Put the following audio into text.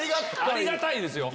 ありがたいですよ。